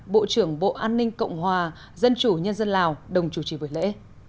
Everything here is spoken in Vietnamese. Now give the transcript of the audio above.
bộ trưởng bộ an ninh cộng hòa dân chủ nhân dân lào đồng chủ trì buổi lễ